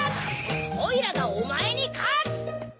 おいらがおまえにかつ！